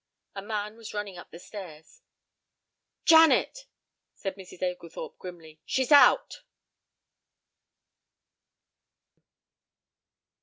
A man was running up the stairs. "Janet," said Mrs. Oglethorpe grimly. "She's out."